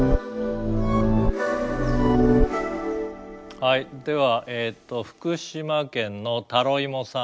はいでは福島県のタロイモさん。